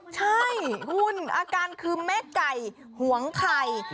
ใช่คุณอาการคือแม่ไก่หวงไข่